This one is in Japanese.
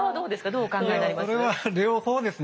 どうお考えになります？